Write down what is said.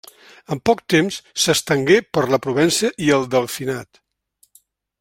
En poc temps, s'estengué per la Provença i el Delfinat.